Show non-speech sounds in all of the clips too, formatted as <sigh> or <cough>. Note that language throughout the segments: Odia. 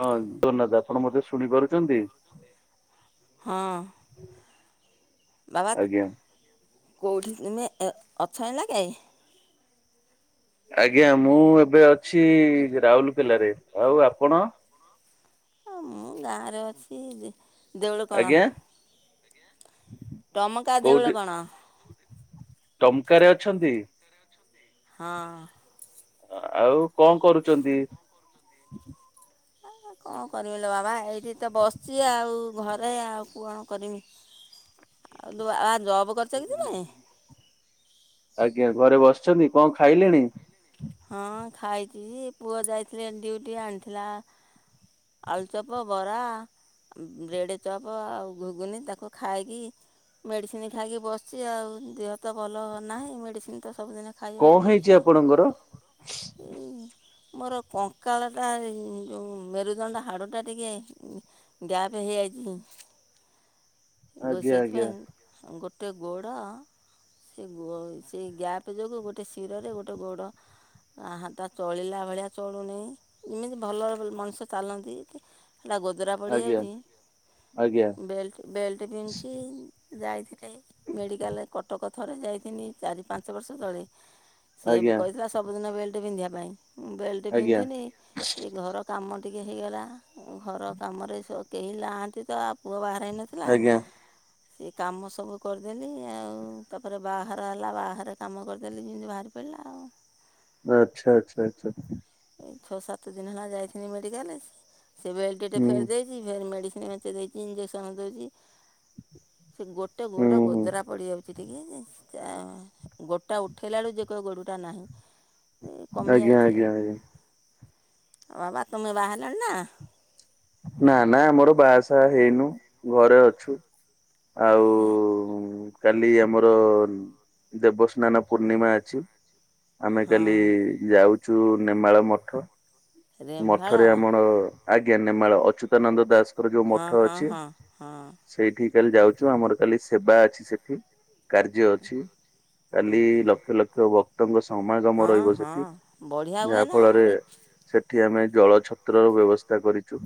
ହଁ ଜଗନ୍ନାଥ ଆପଣ ମତେ ଶୁଣି ପାରୁଛନ୍ତି? ହଁ। <inaudible> ବାବା ଆଜ୍ଞା କଉଠି ତୁମେ ଅଛ ଏଇନାକେ? ଆଜ୍ଞା ମୁଁ ଏବେ ଅଛି ରାଉରକେଲାରେ ଆଉ ଆପଣ? ହଁ ମୁଁ ଗାଁରେ ଅଛି ଦେଉଳକଣ। ଆଜ୍ଞା ଟମକା ଦେଉଳକଣ। ଟମକା ରେ ଅଛନ୍ତି। ହଁ। ଆଉ କଣ କରୁଛନ୍ତି? କଣ କରିବିଲୋ ବାବା ଏଇଠି ତ ବସିଛି ଆଉ ଘ ଏରେ ଆଉ କଣ କରିମି ଆଉ ଆ ବା ଜବ୍ କରିଛ କି ତୁମେ? ଆଜ୍ଞା ଘରେ ବସିଛନ୍ତି କଣ ଖାଇଲେଣି? ହଁ ଖାଇଛି ପୁଅ ଯାଇଥିଲେ ଡିଉଟି ଆଣିଥିଲା ଆଳୁଚପ ବରା ବ୍ରେଡ ଚପ୍ ଆଉ ଘୁଗୁନି ତାକୁ ଖାଇକି ମେଡିସିନ ଖାଇକି ବସିଛି ଆଉ ଦେହ ତ ଭଲ ନାହିଁ ମେଡିସିନ ତ ସବୁଦିନ ଖାଇବାକୁ କଣ ପଡ଼ୁଛି ହେଇଛି ଆଉ ଆପଣଙ୍କର? ମୋର କଙ୍କାଳଟା ଯୋଉ ମେରୁଦଣ୍ଡ ହାଡ଼ୁଟା ଟିକେ ଗ୍ୟାପ ହେଇ ଆଇଚି। ଆଜ୍ଞା ଆଜ୍ଞା ସେଇଥିପାଇଁ ଗୋଟେ ଗୋଡ଼ ସେ ଗୋ ସେ ଗ୍ୟାପ୍ ଯୋଗୁଁ ଗୋଟେ ଶିରରେ ଗୋଟେ ଗୋଡ଼ ଆହା ତା ଚଳିଲା ଭଳିଆ ଚଳୁନି ଏମିତି ଭଲ ମଣିଷ ଚାଲନ୍ତି। ହେଲା ଗୋଦରା ଆଜ୍ଞା ପଡ଼ିଯାଉଛି ଆଜ୍ଞା ବେଲ୍ଟ ବେଲ୍ଟ ପିନ୍ଞ୍ଚି ଯାଇଥିନି ମେଡିକାଲ କଟକ ଥରେ ଯାଇିଥିନି ଚାରି ପାଞ୍ଚ ବର୍ଷ ତଳେ ସିଏ ବି ଆଜ୍ଞା କହିଥିଲା ସବୁଦିନ ବେଲ୍ଟ ପିନ୍ଧିବା ପାଇଁ ମୁଁ ବେଲ୍ଟ ଆଜ୍ଞା ପିନ୍ଧଥିନି ଏଇ ଘର କାମ ଟିକେ ହେଇଗଲା ଘର କାମରେ କେହି ନାହାନ୍ତି ତ ଆ ପୁଅ ବାହାର ହେଇନଥିଲା ଆଜ୍ଞା ସେ କାମ ସବୁ କରିଦେଲି ଆଉ ତାପରେ ବାହର ହେଲା ବାହାରେ କାମ କରିଦେଲି ଯେମିତି ବାହାରି ପଇଲା ଆଉ। ଆଚଛା ଆଚ୍ଛା ଆଚ୍ଛା। ଏଇ ଛଅ ସାତ ଦିନ ହେଲା ଯାଇଥିନି ମେଡିକାଲ ରେ ସେ ବେଲଟ ହୁଁ ଫେରି ଦେଇ ହୁଁ ମେଡିସିନ୍ ମେଞ୍ଚେ ଦେଇଛି ଇଞ୍ଜେକ୍ସନ ଦଉଛି। ସେ ଗୋଟେ ହୁଁ ଗୋଡ଼ ହୁଁ ଗୋଦରା ପଡ଼ି ଯାଉଛି। ଟିକେ ଚା ଗୋଡ଼ ଟା ଉଠାଇଲା ବେଳୁ ଯେ କହିବ ଗୋଡ଼ଟା ନାହିଁ। ଆଜ୍ଞା ଆଜ୍ଞା ଆଜ୍ଞା। ଆଉ ବାବା ଆ ତୁମେ ବାହା ହେଲଣି ନା? ନା ନା ଆମର ବାହାସାହା ହେଇନୁ ଘରେ ଅଛୁ। ଆଉ ନା କାଲି ଆମର ଦେବସ୍ନାନ ପୂର୍ଣ୍ଣିମା ଅଛି ଆମେ କାଲି ହଁ ଯାଉଛୁ ନେମାଳ ମଠ। ସେ ରେମ୍ଭାଳ ମଠରେ ଆମର ଆଜ୍ଞା ନେମାଳ ଅଚ୍ୟୁତାନନ୍ଦ ଦାସଙ୍କର ଯୋଉ ହଁ ମଠ ହଁ ଅଛି। ହଁ ହଁ ସେଇଠିକି କାଲି ଯାଉଛୁ ଆମର କାଲି ସେବା ଅଛି ସେଠି କାର୍ଯ୍ୟ ଅଛି। କାଲି ହଁ ଲକ୍ଷ ଲକ୍ଷ ଭକ୍ତଙ୍କ ସମାଗମ ହଁ ରହିବ ହଁ ସେଠି ବଢ଼ିଆ ହୁଏ ଯାହା ନା ଫଳରେ ସେଠି ଆମେ ଜଳ ଛତ୍ରର ବ୍ୟବସ୍ଥା କରିଛୁ।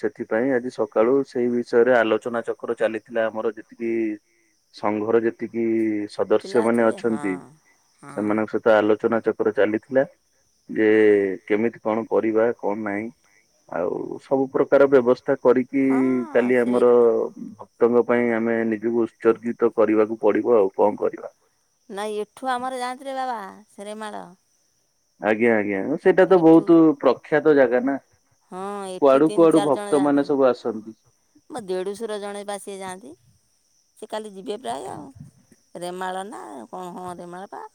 ସେଥିପାଇଁ ଆଜି ସକାଳୁ ସେଇ ବିଷୟରେ ଆଲୋଚନାଚକ୍ର ଚାଲିଥିଲା ଆମର ଯେତିକି ସଂଘର ଯେତିକି ସଦସ୍ୟ ପିଲା ମାନେ ଥିବେ ହଁ ଅଛନ୍ତି ହଁ ସେମାନଙ୍କ ସହିତ ତ ଆଲୋଚନା ଚକ୍ର ଚାଲିଥିଲା ଯେ କେମିତି କଣ କରିବା କଣ ନାହିଁ ଆଉ ସବୁ ପ୍ରକାର ବ୍ୟବସ୍ଥା କରି କି ହଁ କାଲି ସେ ଆମର କ୍ କ୍ତଙ୍କ ପାଇଁ ଆମେ ନିଜକୁ ଉତ୍ସର୍ଗିତ କରିବାକୁ ପଡି଼ବ ଆଉ କଣ କରିବା। ନାଇଁ ଏଠୁ ଆମର ଯାଆନ୍ତିରେ ବାବା ସେରେମାଳ। ଆଜ୍ଞା ଆଜ୍ଞା ସେଇଟା ତ ଏଠୁ ବୋହୁତ ପ୍ରଖ୍ୟାତ ଜାଗା ନା। ହଁ ଏଠୁ କୁଆଡ଼ୁ ତିନି କୁଆଡ଼ୁ ଚାରି ଜଣ ଭକ୍ତ ଯାଆନ୍ତି ମାନେ ସବୁ ଆସନ୍ତି। ମୋ ଦେଢ଼ୁଶର ଜଣେ ପା ସିଏ ଯାଆନ୍ତି। ସେ କାଲି ଯିବେ ପ୍ରାୟ ଆଉ ରେମାଳ ନା କଣ ହଁ ରେମାଳ ପା?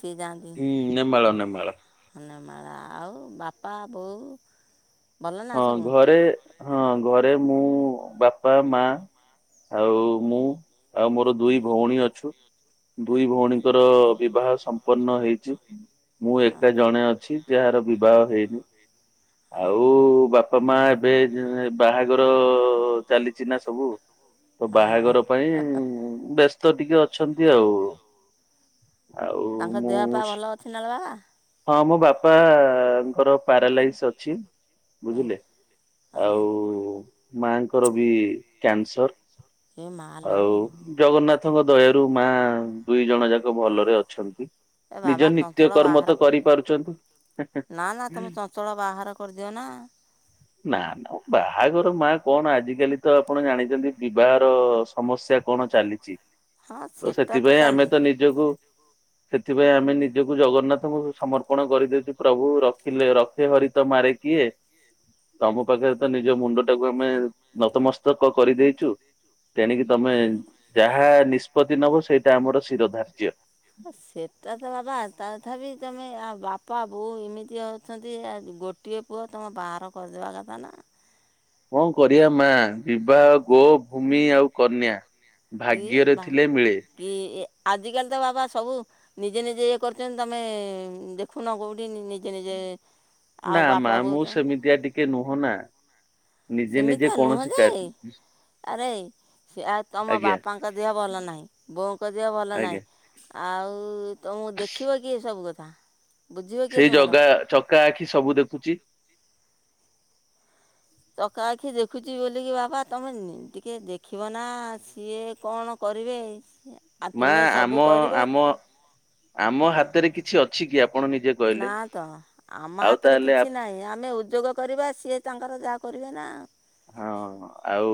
ସିଏ ହୁଁ ନେମାଳ ନେମାଳ। ଯାଆନ୍ତି ନେମାଳା ଆଉ ବାପା ବୋଉ ଭଲ ନା ହଁ ସବୁ ଘରେ ହଁ ଘରେ ମୁଁ ବାପା ମା ଆଉ ମୁଁ ଆଉ ମୋର ଦୁଇ ଭଉଣୀ ଅଛୁ। ଦୁଇ ଭଉଣୀଙ୍କର ବିବାହ ସମ୍ପନ୍ନ ହେଇଛି। ମୁଁ ହଁ ଏକା ଜଣେ ଅଛି ଯାହାର ବିବାହ ହେଇନି ଆଉ ବା ପା ମା ଏବେ ଯୋଉ ଏ ବାହାଘର ଚାଲିଛି ନା ସବୁ। ତ ହଁ ବାହାଘର ପାଇଁ ବ୍ୟସ୍ତ ଟିକେ ଅଛନ୍ତି ଆଉ। ଆଉ ତାଙ୍କ ଦେହ ପା ମୁଁ ଶ୍ ଭଲ ଅଛି ନା ଲୋ ବାବା ହଁ ମୋ ବାପାଙ୍କର ପାରାଲାଇସ୍ ଅଛି। ବୁଝିଲେ ଆଜ୍ଞା ଆଉ ମାଙ୍କର ବି କ୍ୟାନସର। ଏ ମାଲୋ ଆଉ ଜଗନ୍ନାଥଙ୍କ ଦୟାରୁ ମା ଦୁଇ ଜଣ ଯାକ ଭଲରେ ଅଛନ୍ତି। ଏ ବାବା ନିଜ ନିତ୍ୟ ଚଞ୍ଚଳ କର୍ମ ବାହାର ତ କରି କରିପାରୁଛନ୍ତି। ତୁମ ବାହାଘର କରିଦିଅ ନା। ନା ନା। ଓ ବାହାଘର ମା କଣ ଆଜିକାଲି ତ ଆପଣ ଜାଣିଛନ୍ତି ବିବାହର ସମସ୍ୟା କଣ ଚାଲିଛି। ହଁ ତ ସେଟା ସେଥିପାଇଁ ଆମେ ଚାଲିଛି ତ ନିଜକୁ ସେଥିପାଇଁ ଆମେ ନିଜକୁ ଜଗନ୍ନାଥଙ୍କୁ ସମର୍ପଣ କରିଦେଇଉଛୁ ପ୍ରଭୁ ରଖିଲେ ରଖେ ହରି ତ ମାରେ କିଏ। ତମ ପାଖରେ ତ ନିଜ ମୁଣ୍ଡ ଟାକୁ ଆମେ ନତମସ୍ତକ କରିଦେଇଛୁ। ତେଣିକି ତମେ ଯାହା ନିଷ୍ପତି ନବ ସେଇଟା ଆମର ଶିର ଧାର୍ଯ୍ୟ। ଅ ସେଟା ତ ବାବା ତଥାପି ତମେ ଆଉ ବାପା ବୋଉ ଏମିତି ଅଛନ୍ତି ଆ ଗୋ ଟିଏ ପୁଅ ତମ ବାହାଘର କରିଦବା କଥା ନା। କଣ କରିବା ମା ବିବାହ ଗୋ ଭୂମି ଆଉ କନ୍ୟା କିଏ ଭାଗ୍ୟରେ ବା ଥିଲେ ମିଳେ କି ଆଜିକାଲି ତ ବାବା ସବୁ ନିଜେ ନିଜେ ଇଏ କରୁଛନ୍ତି ତମେ ଦେଖୁନ କୋଉଠି ନି-ନିଜେ ନିଜେ ଆଉ ବାପା ବୋଉ ତ ସିଏ ଟିକେ ନୁହଁ ନା। ନିଜେ ନିଜେ ସେମିତିଆ ନୁହଁ କୌଣସି ଯେ କା ଆରେ ସେ ତମ ଆଜ୍ଞା ବାପାଙ୍କ ଦେହ ଭଲ ନାହିଁ ବୋଉଙ୍କ ଦେହ ଭଲ ଆଜ୍ଞା ନାହିଁ ଆଉ ତମକୁ ଦେଖିବ କିଏ ସବୁ କଥା। ବୁଝିବ କିଏ ସେଇ ତୁମର ଜଗା ଚକା ଆଖି ସବୁ ଦେଖୁଛି। ଚକା ଆଖି ଦେଖୁଛି ବୋଲିକି ବାପ ତମେ ଟିକେ ଦେଖିବ ନା ସିଏ କଣ କରିବେ। ଆଉ ମା ତୁମେ ସବୁ ଆମ କରିବ ଆମ ଆମ ହାତରେ କିଛି ଅଛି କି ଆପଣ ନିଜେ ହୁଁ କହିଲେ ନା ତ ଆମ ଆଉ ହତରେ ତାହେଲେ ଆ କିଛି ନାହିଁ ଆମେ ଉଦ୍ୟୋଗ କରିବା ସିଏ ତାଙ୍କର ଯାହା କରିବେ ନା। ହଁ ଆଉ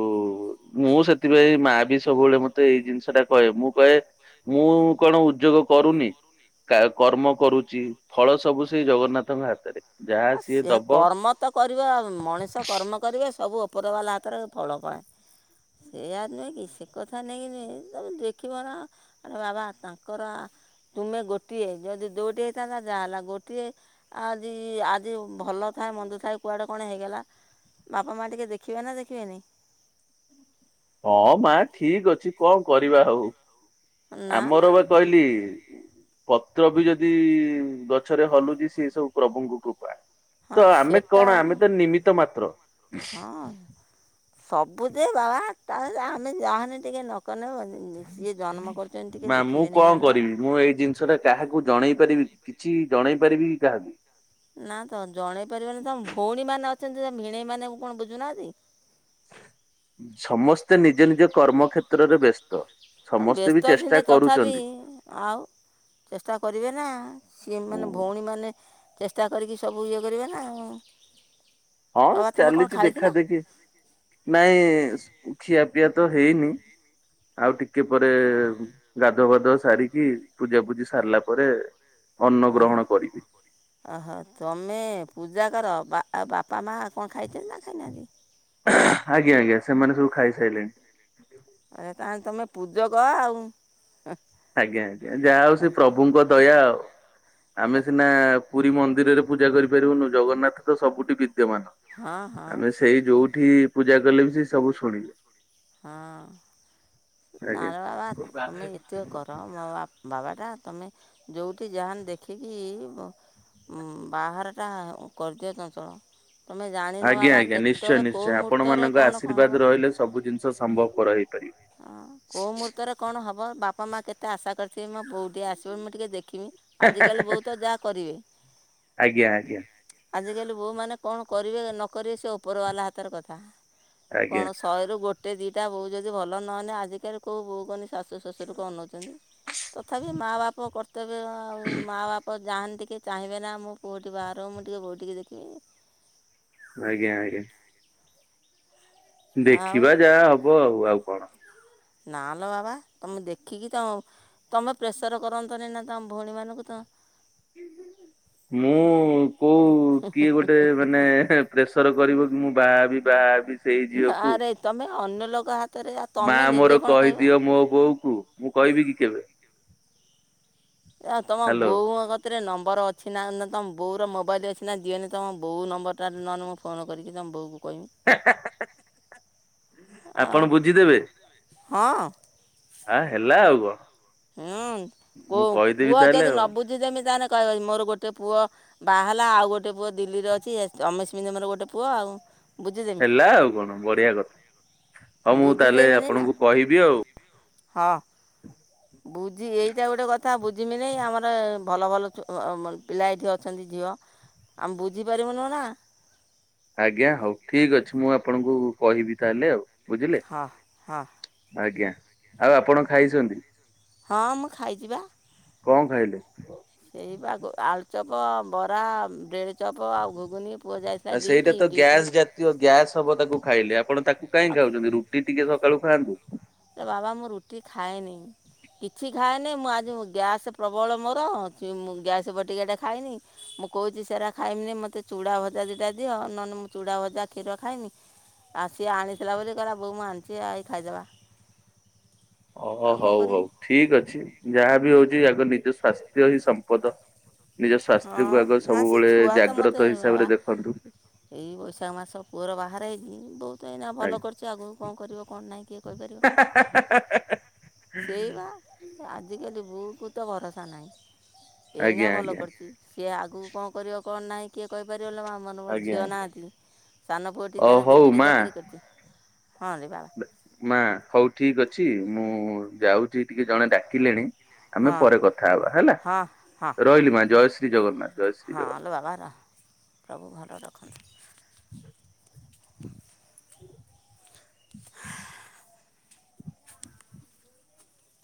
ମୁଁ ସେଥିପାଇଁ ମା ବି ସବୁବେଳେ ମତେ ଏଇ ଜିନିଷ ଟା କହେ, ମୁଁ କହେ ମୁଁ କଣ ଉଦ୍ୟୋଗ କରୁନି। କର୍ମ କରୁଛି ଫଳ ସବୁ ସେଇ ଜଗନ୍ନାଥଙ୍କ ହାତରେ। ଯାହା ଆ ସିଏ ସେ ଦବ କର୍ମ ତ କରିବ ମଣିଷ କର୍ମ କରିବେ ସବୁ ଉପର ବାଲା ହାତରେ ଫଳ ପାଏ। ସେୟା ନୁହେଁ କି ସେ କଥା ନେଇକି ତମେ ଦେଖିବ ନା। ଆରେ ବାବା ତାଙ୍କର ତୁମେ ଗୋଟିଏ ଯଦି ଦୋଟିଏ ହେଇଥାନ୍ତା ଯାହା ହେଲା ଗୋଟିଏ ଆଜି ଯୋଉ ଭଲ ଥାଏ ମନ୍ଦ ଥାଏ କୁଆଡ଼େ କଣ ହେଇଗଲା ବାପା ମାଆ ଟିକେ ଦେଖିବେ ନା ଦେଖିବେନି। ହଁ ମା ଠିକ ଅଛି କଣ କରିବା ହଉ ନା ନା ଆମର ବା କହିଲି ପତ୍ର ବି ଯଦି ଗଛରେ ହଲୁଛି ସେ ସବୁ ପ୍ରଭୁଙ୍କ କୃପା। ହଁ ତ ଆମେ ସେଟା କଣ ଆମେ ତ ନିମିତ ମାତ୍ର। ହଁ ସବୁଯେ ବାବା ତାହେଲେ ଆମେ ଯାହନି ଟିକେ ନକନେ ସିଏ ଜନ୍ମ କରୁଛନ୍ତି ଟିକେ ମା ମୁଁ ଦେଖିବେନି କଣ ନହେଲେ ବାବା କରିବି ମୁଁ ଏଇ ଜିନିଷ ଟା କାହାକୁ ଜଣେଇ ପାରିବି କିଛି ଜଣେଇ ପାରିବି କି କାହାକୁ? ନା ତ ଜଣେଇ ପାରିବନି ତମ ଭଉଣୀ ମାନେ ଅଛନ୍ତି ସେ ଭିଣେଇ ମାନଙ୍କୁ କଣ ବୁଝୁନାହାନ୍ତି। ସମସ୍ତେ ନିଜ ନିଜ କର୍ମ ଖେତ୍ରରେ ବ୍ୟସ୍ତ। ଆଉ ସମସ୍ତେ ବି ବ୍ୟସ୍ତ ଚେଷ୍ଟା ଥିଲେ ତଥାପି କରୁଛନ୍ତି। ଆଉ ଚେଷ୍ଟା କରିବେ ନା ସିଏ ମାନେ ଭଉଣୀମାନେ ଚେଷ୍ଟା କରିକି ସବୁ ଇଏ କରିବେ ନା ଆଉ। ହଁ ବାବା ତୁମେ କ'ଣ ଚାଲିଛି ଖାଇଥିଲ ଦେଖା ଦେଖି। ନାଇଁ ଖିଆ ପିଆ ତ ହେଇନି ଆଉ ଟିକେ ପରେ ଗାଧୁଆପାଧୁଆ ସାରିକି ପୂଜାପୂଜି ସାରିଲା ପରେ ଅନ୍ନ ହଁ ଗ୍ରହଣ କରିବି। ଓହୋ ତମେ ପୂଜା କର ବା ଆଉ ବାପା ମା କଣ ଖାଇଛନ୍ତି ନା? ଏଖ ନାଗ। <unintelligible> ଆଜ୍ଞା ଆଜ୍ଞା ସେମାନେ ସବୁ ଖାଇସାରିଲେଣି। ଆ ତାହେଲେ ତମେ ପୂଜକ ଆଉ। ଆଜ୍ଞା ଆଜ୍ଞା ଯାହା ହଉ ସେ ପ୍ରଭୁଙ୍କ ଦୟା ଆଉ ଆମେ ସିନା ପୁରୀ ମନ୍ଦିରରେ ପୂଜା କରିପାରିବୁନୁ ଜଗନ୍ନାଥ ତ ସବୁଠି ବିଦ୍ୟମାନ। ହଁ ହଁ ଆମେ ସେଇ ଯୋଉଠି ପୂଜା କଲେ ବି ସେ ସବୁ ଶୁଣିବେ। ହଁ ଆଜ୍ଞା। ନାରବା ବା ତମେ ଏତ <unintelligible> କର ମୋ ବା ବାବାଟା ତମେ ଯୋଉଠି ଯାହାନ ଦେଖିକି ବାହାରଟା କରିଦିଅ ଚଞ୍ଚଳ। ତମେ ଜାଣିନ ଆଜ୍ଞା ବାବା ଆଜ୍ଞା ନିଶ୍ଚୟ କେତେବେଳେ ନିଶ୍ଚୟ କୋଉ ଆପଣ ମୁହୂର୍ତ୍ତରେ ମାନଙ୍କ କଣ କଣ ଆଶୀର୍ବାଦ ହେବ। ରହିଲେ ସବୁ ଜିନିଷ ସମ୍ଭବ ପର ହେଇପାରିବ। ହଁ କୋଉ ମୁହୂର୍ତ୍ତରେ କଣ ହେବ ବାପା ମା କେତେ ଆଶା କରିଥିବେ ମୋ ବୋଉ ଟିକଏ ଆସିବନ ମୁଁ ଟିକେ ଦେଖିବି। ଆଜିକାଲି ବହୁତ ଯାହା କରିବେ। ଆଜ୍ଞା ଆଜ୍ଞା ଆଜିକାଲି ବୋଉମାନେ କଣ କରିବେ ନ କରିବେ ସେ ଉପରବାଲା ହାତର କଥା। କଣ ଆଜ୍ଞା ଶହେରୁ ଗୋଟେ ଦିଟା ବୋଉ ଯଦି ଭଲ ନହେଲେ ଆଜିକାଲି କଉ ବୋଉ କହି ଶାଶୁ ଶଶୁରକୁ ଅନଉଛନ୍ତି। ତଥାପି ମାଆ ବାପ କର୍ତବ୍ୟ ଆଉ ମାଆ ବାପ ଯାହାନ୍ତି ଟିକେ ଚାହିଁବେ ନା ମୁଁ ବଉଠ ବାର ମୁଁ ଟିକେ ବଉଟିକି ଦେଖିବି। ଆଜ୍ଞା ଆଜ୍ଞା। ଆଉ ଦେଖିବା ଯାହା ହବ ଆଉ ଆଉ କଣ? ନା ଲ ବାବା ତମେ ଦେଖିକି ତମ ତୁମେ ପ୍ରେସର କରନ୍ତନି ନା ତମ ଭଉଣୀମାନଙ୍କୁ ତ ମୁଁ କହୁ କିଏ ଗୋଟେ ମାନେ ପ୍ରେସର କରିବ କି ମୁଁ ବା ବି ବାହା ବି। ଆରେ ତମେ ଅନ୍ୟ ଲୋକ ହାତ ମା ମୋର କହିଦିଅ ମୋ ବୋଉ କୁ ମୁଁ କହିବି କି କେବେ? ଏ ତମ ହାଲୋ ବୋଉ କଥା ଏରେ ନମ୍ବର ଅଛି ନା ତମ ବୋର ମୋବାଇଲ ଅଛି ନା ଯିଏନ ତମ ବୋଉ ନମ୍ବର ଟା ନ ଫୋନ୍ କରିକି ତମ ବୋଉ କହିବି। ଆଉ ଆପଣ ବୁଝିଦେବେ। ହଁ। ହଁ ହେଲା ଆଉ କଣ। ହୁଁ ମୁଁ କୋଉ କହିଦେବି ପୁଅ ତାହେଲେ ଯଦି ନ ଆଉ ବୁଝିଦମିତି ତାହେଲେ କହିବ ମୋର ଗୋଟେ ପୁଅ ବା ହେଲା ଆଉ ଗୋଟେ ପୁଅ ଦିଲ୍ଲୀରେ ଅଛି ତମେ ସେମିତି ଗୋଟେ ପୁଅ ଆଉ। ବୁଝିଦେମି ହେଲା ଆଉ କଣ ବଢିଆ କଥା ହଁ ମୁଁ ତାହେଲେ ବୁଝିଦେବିନି ନା ଆପଣଙ୍କୁ କହିବି ଆଉ। ହଁ। ବୁଝି ଏଇଟା ଗୋଟେ କଥା ବୁଝମି ନାଇ ଆମର ଭଲ ଭଲ ପିଲା ଏଠି ଅଛନ୍ତି ଝିଅ। ଆମେ ବୁଝିପାରିବୁନି ନା। ଆଜ୍ଞା ହଉ ଠିକ ଅଛି ମୁଁ ଆପଣଙ୍କୁ କହିବି ତାହଲେ ଆଉ ବୁଝିଲେ। ହଁ ହଁ ଆଜ୍ଞା ଆଉ ଆପଣ ଖାଇଛନ୍ତି। ହଁ ମୁଁ ଖାଇଚିବା। କଣ ଖାଇଲେ? ସେଇ ବା ଆଳୁଚପ ବରା ବଡେଡ ଚପ ଆଉ ଘୁଘୁନି ପୁଅ ଯାଇ ଆ ସେଇଟା ତ ଗ୍ୟାସ୍ ଜ ଗ୍ୟାସ୍ ହବ ତାକୁ ଖାଇଲେ ଆପଣ ତାକୁ ଆଉ କାଇହିଁ ଖାଉଛନ୍ତି ରୁଟି ଟିକେ ସକାଳୁ ଖାଆନ୍ତୁ। ବାବା ମୁଁ ରୁଟି ଖାଏନି। କିଛି ଖାଏନି ମୁଁ ଆଜି ଗ୍ୟାସ୍ ପ୍ରବଳ ମୋର ମୁଁ ଗ୍ୟାସ୍ ବ ଟିକେଟା ଖାଇଏନି। ମୁଁ କହୁଛି ସେଟା ଖାଇମିନି ମତେ ଚୁଡ଼ା ଭଜା ଦିଟା ଦିଅଉ ନହେଲେ ମୁଁ ଚୁଡ଼ା ଭଜା କ୍ଷୀର ଖାଇନି। ଆଉ ସିଏ ଆଣିଥିଲା ବୋଲି କହିଲା ବୋଉ ମୁଁ ଆଣିଛି ଏଇ ଖାଇଦେବା। ଓ ଆଉ କ'ଣ ହଉ ହଉ କରିମି ଠିକ ଅଛି ଯାହା ବି ହଉଛି ଆଗ ନିଜ ସ୍ୱାସ୍ଥ୍ୟ ହିଁ ସମ୍ପଦ। ନିଜ ସ୍ୱାସ୍ଥ୍ୟକୁ ହଁ ଆଗ ନା ସେ ସବୁବେଳେ ଜାଗ୍ରତ ହିସାବରେ ଦେଖନ୍ତୁ। ସେଇ ବୈଶାଖ ମାସ ପୁଅର ବାହାରେ ହେଇଛି ବହୁତ ତ ଏହିଁନା ଭଲ ଆଜ୍ଞା। କରିଛଛି ଆଗକୁ କଣ କରିବ କଣ ନାହିଁ କିଏ କହିପାରିବ। <inaudible> ସେଇବା ଆଜିକାଲି ବୋକୁ ତ ଭରସା ନାହିଁ ଏଇନା ଆଜ୍ଞା ଭଲ ଆଜ୍ଞା କରିଛି। କିଏ ଆଗକୁ କଣ କରିବ କଣ ନାହିଁ କିଏ କହିପାରିବ ନା ଆମର ମୋର ଆଜ୍ଞା ଝିଅ ଆଜ୍ଞା ନାହାନ୍ତି ସାନ ପୁଅଟି ଅ ତାର ହଉ ଦିଲ୍ଲୀରେ ମା ଚାକିରି କରିଛି ହଁ ବାବା। ମା ହଉ ଠିକ ଅଛି ମୁଁ ଯାଉଛି ଟିକେ ଜଣେ ଡାକିଲେଣି। ଆମେ ହଁ ପରେ କଥା ହବା ହେଲା ହଁ ହଁ ରହିଲି ମା ଜୟ ଶ୍ରୀ ଜଗନ୍ନାଥ। ଜୟ ଶ୍ରୀ ହଁ ଜଗନ୍ନାଥ। ହଲୋ ବାବା ର ପ୍ରଭୁ ଭଲ ରଖନ୍ତୁ। ହଁ <inaudible> <inaudible>